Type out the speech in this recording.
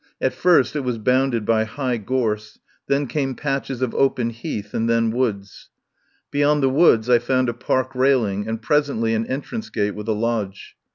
At first it was bound ed by high gorse, then came patches of open heath, and then woods. Beyond the woods I found a park railing, and presently an entrance gate with a lodge.